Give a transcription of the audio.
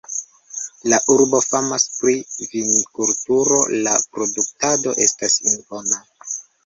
La urbo famas pri vinkulturo, la produktado estas impona.